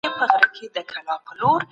بدون د امنيت څخه بهرنۍ پانګونه ممکنه نه ده.